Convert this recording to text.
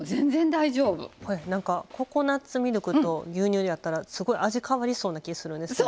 ココナツミルクと牛乳やったら味変わりそうな気するんですけど。